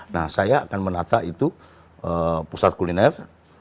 nah saya akan menata itu pusat kuliner